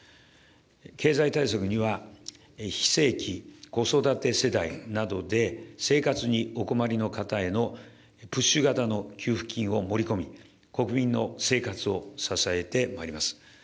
経済対策には非正規、子育て世代などで、生活にお困りの方へのプッシュ型の給付金を盛り込み、国民の生活を支えてまいります。